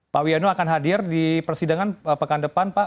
pak wiano akan hadir di persidangan pekan depan pak